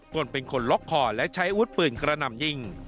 ตนเป็นคนล็อกคอและใช้อาวุธปืนกระหน่ำยิง